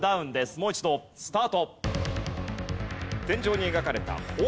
もう一度スタート。